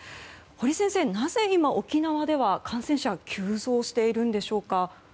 堀先生、今なぜ沖縄で感染者が急増しているんでしょうか。